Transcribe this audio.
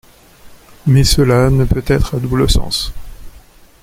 Mais cela ne peut être à double sens.